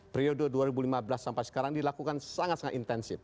periode dua ribu lima belas sampai sekarang dilakukan sangat sangat intensif